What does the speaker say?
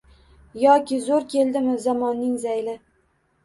Yoki zo‘r keldimi zamonning zayli